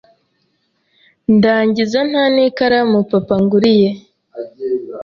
ndangiza nta n,ikaramu papa anguriye